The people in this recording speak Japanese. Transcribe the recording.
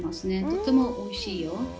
とってもおいしいよ。